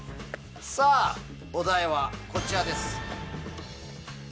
さぁお題はこちらです。